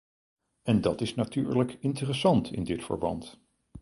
En dat is natuurlijk interessant in dit verband.